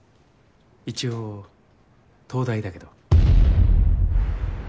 一応東大だけど。